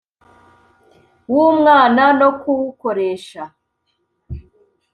w umwana no kuwukoresha